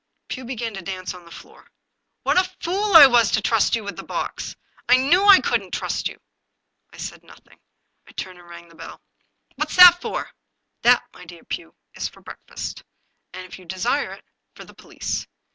Pugh began to dance about the floor. " What a fool I was to trust you with the box ! I knew 257 English Mystery Stories I couldn't trust you/' I said nothing. I turned and rang the bell. " What's that for? "" That, my dear Pugh, is for breakfast, and, if you desire it, for the police.